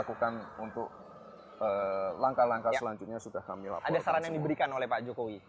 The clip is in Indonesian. lakukan untuk langkah langkah selanjutnya sudah kami lakukan saran yang diberikan oleh pak jokowi